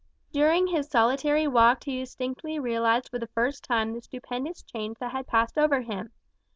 During his solitary walk he distinctly realized for the first time the stupendous change that had passed over him.